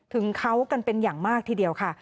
ถึงเขากันเป็นอย่างมากทีเดียวค่ะ